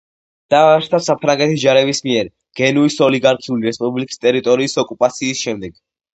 დაარსდა საფრანგეთის ჯარების მიერ გენუის ოლიგარქიული რესპუბლიკის ტერიტორიის ოკუპაციის შემდეგ.